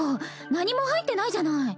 何も入ってないじゃない。